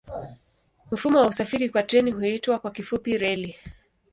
Mfumo wa usafiri kwa treni huitwa kwa kifupi reli.